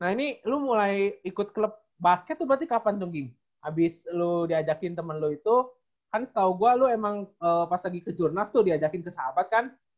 nah ini lu mulai ikut klub basket tuh berarti kapan dong ging abis lu diajakin temen lu itu kan setau gua lu emang pas lagi ke jurnas tuh diajakin ke sahabat kan